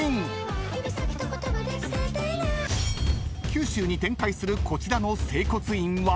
［九州に展開するこちらの整骨院は］